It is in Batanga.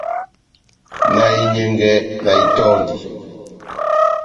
Na enyɛngɛ, na itɔndi.